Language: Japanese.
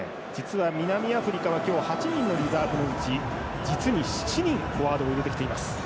実は今日南アフリカはリザーブのうち、実に７人フォワードを入れてきています。